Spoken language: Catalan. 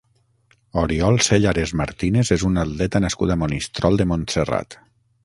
Oriol Sellarès Martínez és un atleta nascut a Monistrol de Montserrat.